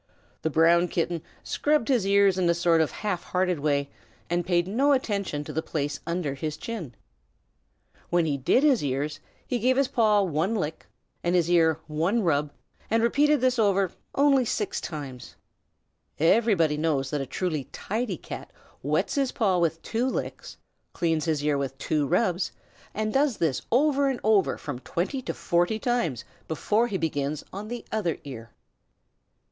The Brown Kitten scrubbed his ears in a sort of half hearted way, and paid no attention to the place under his chin. When he did his ears, he gave his paw one lick and his ear one rub, and repeated this only six times. Everybody knows that a truly tidy Cat wets his paw with two licks, cleans his ear with two rubs, and does this over and over from twenty to forty times before he begins on the other ear.